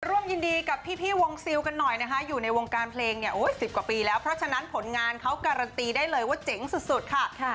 ร่วมยินดีกับพี่วงซิลกันหน่อยนะคะอยู่ในวงการเพลงเนี่ย๑๐กว่าปีแล้วเพราะฉะนั้นผลงานเขาการันตีได้เลยว่าเจ๋งสุดค่ะ